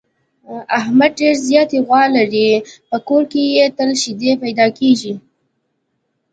احمد ډېره ذاتي غوا لري، په کور کې یې تل شیدې پیدا کېږي.